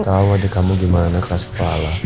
kamu tahu kamu gimana kelas kepala